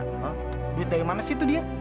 hah dari mana sih itu dia